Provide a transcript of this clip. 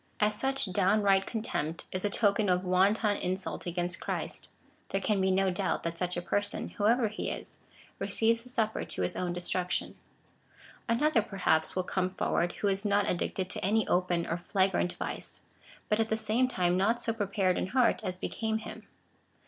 As such dow^nright contempt is a token of wanton insult against Christ, there can be no doubt that such a person, whoever he is, receives the Supper to his own desti uction. Another, perhaps, Avill come forward, who is not addicted to any open or flagrant vice, but at the same time not so prepared in heart as became him.